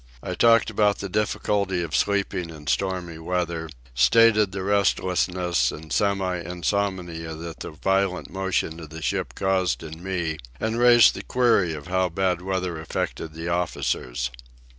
I talked about the difficulty of sleeping in stormy weather, stated the restlessness and semi insomnia that the violent motion of the ship caused in me, and raised the query of how bad weather affected the officers.